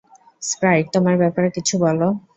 Sprite, তোমার ব্যাপারে কিছু বলো।